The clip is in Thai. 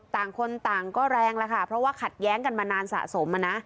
ต่างคนต่างก็แรงแล้วค่ะเพราะว่าขัดแย้งกันมานานสะสม